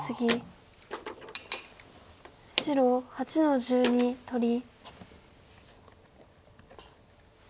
白８の十二取り。